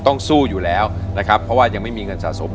ต้องสู้อยู่แล้วนะครับเพราะว่ายังไม่มีเงินสะสม